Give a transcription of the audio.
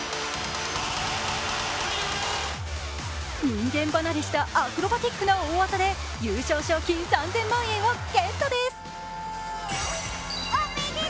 人間離れしたアクロバティックな大技で優勝賞金３０００万円をゲットです。